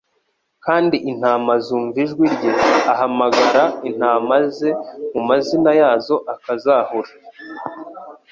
kandi intama zumva ijwi rye, ahamagara intama ze mu mazina yazo, akazahura.